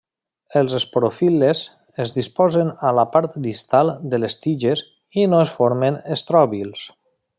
Els esporofil·les es disposen a la part distal de les tiges i no formen estròbils.